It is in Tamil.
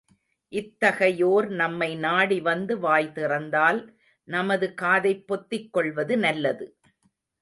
இத்தகையோர் நம்மை நாடி வந்து வாய் திறந்தால் நமது காதைப் பொத்திக் கொள்வது நல்லது.